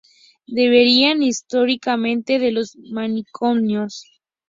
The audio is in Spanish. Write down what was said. Derivan históricamente de los manicomios.